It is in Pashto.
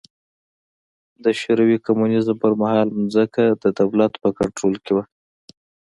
د شوروي کمونېزم پر مهال ځمکه د دولت په کنټرول کې وه.